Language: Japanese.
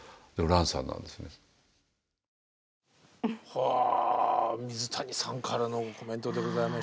はあ水谷さんからのコメントでございました。